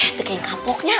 eh tekan kapoknya